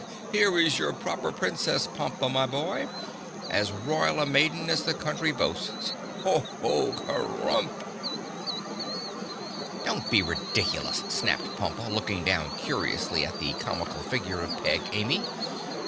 "Here is your Proper Princess, Pompa, my boy—as royal a maiden as the country boasts. Ho, ho! Kerumph!" [Illustration: (unlabelled)] "Don't be ridiculous," snapped Pompa, looking down curiously at the comical figure of Peg Amy.